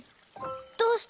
どうして？